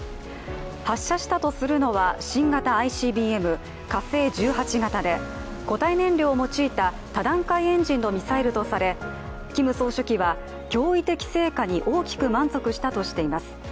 発射したとするのは新型ＩＣＢＭ火星１８型で、固体燃料を用いた多段階エンジンのミサイルとされキム総書記は、驚異的成果に大きく満足したとしています。